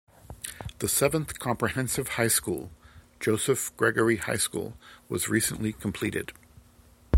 The seventh comprehensive high school, Joseph Gregori High School, was recently completed.